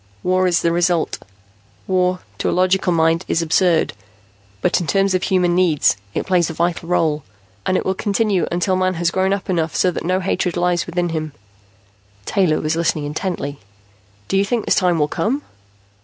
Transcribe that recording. War is the result. War, to a logical mind, is absurd. But in terms of human needs, it plays a vital role. And it will continue to until Man has grown up enough so that no hatred lies within him." Taylor was listening intently. "Do you think this time will come?"